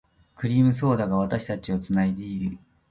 クリームソーダが、私たちを繋いでいる。